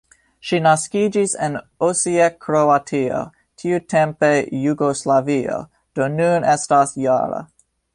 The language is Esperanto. Ŝi naskiĝis en Osijek, Kroatio, tiutempe Jugoslavio, do nun estas -jara.